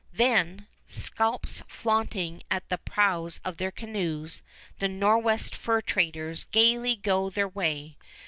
Then, scalps flaunting at the prows of their canoes, the Nor'west fur traders gayly go their way.